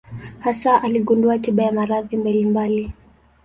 Hasa aligundua tiba ya maradhi mbalimbali.